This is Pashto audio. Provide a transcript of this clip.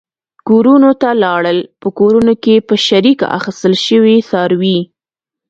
کورونو ته لاړل، په کورونو کې په شریکه اخیستل شوي څاروي.